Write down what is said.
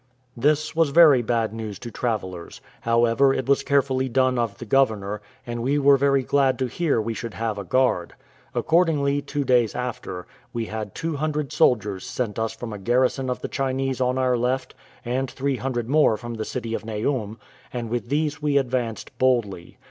This was very bad news to travellers: however, it was carefully done of the governor, and we were very glad to hear we should have a guard. Accordingly, two days after, we had two hundred soldiers sent us from a garrison of the Chinese on our left, and three hundred more from the city of Naum, and with these we advanced boldly.